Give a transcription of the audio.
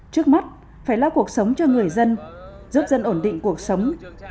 trước mắt phải lo cuộc sống cho người dân giúp dân ổn định cuộc sống